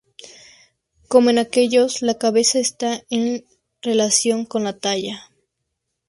Como en aquellos la cabeza está en relación con la talla.